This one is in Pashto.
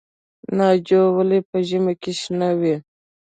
ناجو ولې په ژمي کې شنه وي؟